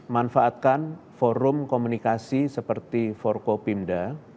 manfaatkan forum komunikasi seperti forkopimda